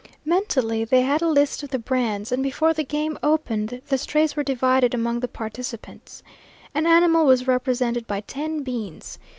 Mentally they had a list of the brands, and before the game opened the strays were divided among the participants. An animal was represented by ten beans.